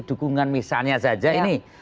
dukungan misalnya saja ini